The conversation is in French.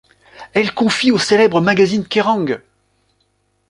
Elle confie au célèbre magazine Kerrang!